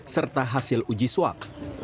serta hasil uji swab